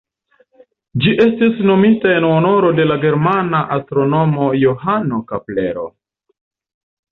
Ĝi estis nomita en honoro de la germana astronomo Johano Keplero.